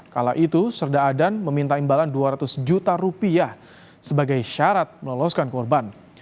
kala itu serda adan meminta imbalan dua ratus juta rupiah sebagai syarat meloloskan korban